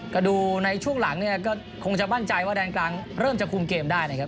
ก็ดูในช่วงหลังเนี่ยก็คงจะมั่นใจว่าแดนกลางเริ่มจะคุมเกมได้นะครับ